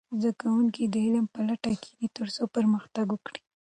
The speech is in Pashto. زده کوونکي د علم په لټه کې دي ترڅو پرمختګ وکړي.